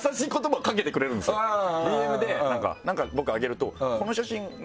ＤＭで何か僕上げると。